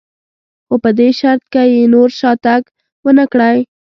خو په دې شرط که یې نور شاتګ نه و کړی.